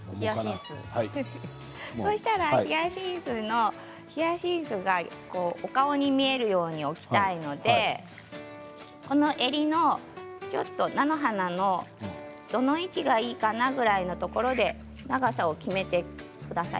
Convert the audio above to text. そうしたらヒヤシンスがお顔に見えるように置きたいので襟の菜の花のどの位置がいいかなぐらいのところで長さを決めてください。